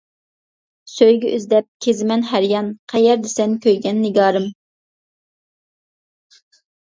سۆيگۈ ئىزدەپ كېزىمەن ھەر يان، قەيەردە سەن كۆيگەن نىگارىم.